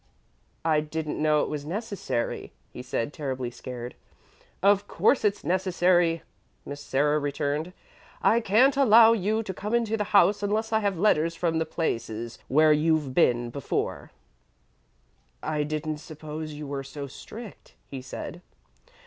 "'I didn't know it was necessary,' he said, terribly scared. "'Of course it's necessary,' Miss Sarah returned. 'I can't allow you to come into the house unless I have letters from the places where you've been before.' "'I didn't suppose you were so strict,' he said.